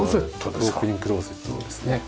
ウォークイン・クローゼットですね。